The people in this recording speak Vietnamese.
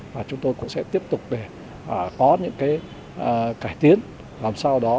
và chúng tôi cũng sẽ tiếp tục để có những cái cải tiến làm sao đó